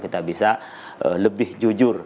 kita bisa lebih jujur